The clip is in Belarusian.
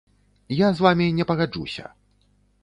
Я з вамі не пагаджуся.